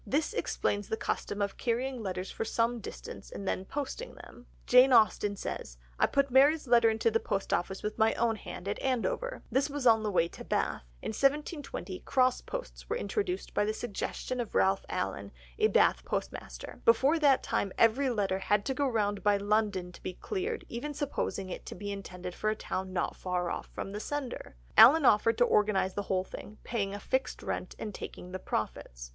This explains the custom of carrying letters for some distance and then posting them; Jane Austen says, "I put Mary's letter into the post office with my own hand at Andover," this was on the way to Bath. In 1720 cross posts were introduced by the suggestion of Ralph Allen, a Bath postmaster; before that time every letter had to go round by London to be cleared, even supposing it to be intended for a town not far off from the sender. Allen offered to organise the whole thing, paying a fixed rent, and taking the profits.